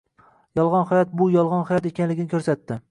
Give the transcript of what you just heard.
yolg‘on hayot bu yolg‘on hayot ekanligini ko‘rsatdi